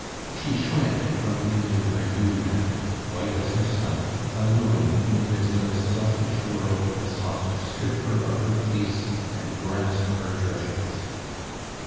She shrank from leaving her ewe lamb, white as herself, alone in the midst of a selfish world that sought to strip her of her fleece and grasp her treasures.